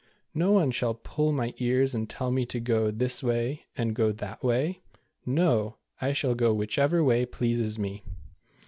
" No one shall pull my ears and tell me to 'go this way, and go that way." No, I shall go whichever way pleases me."